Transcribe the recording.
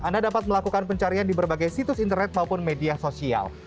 anda dapat melakukan pencarian di berbagai situs internet maupun media sosial